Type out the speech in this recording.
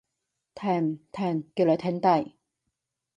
停！停！叫你停低！